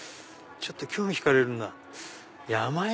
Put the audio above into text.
ちょっと興味引かれるなぁ。